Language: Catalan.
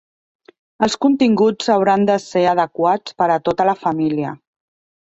Els continguts hauran de ser adequats per a tota la família.